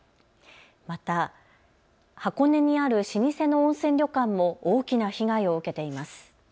また箱根にある老舗の温泉旅館も大きな被害を受けています。